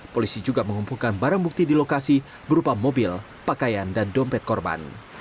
polisi juga mengumpulkan barang bukti di lokasi berupa mobil pakaian dan dompet korban